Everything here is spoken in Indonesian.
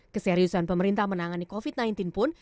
keseriusan pemerintah menangani covid sembilan belas pun